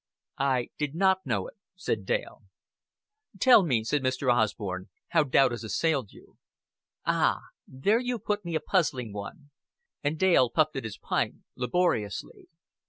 "I did not know it," said Dale. "Tell me," said Mr. Osborn, "how doubt has assailed you." "Ah, there you put me a puzzling one;" and Dale puffed at his pipe laboriously.